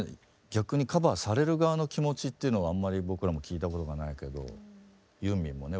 逆にカバーされる側の気持ちっていうのはあんまり僕らも聞いたことがないけどユーミンもね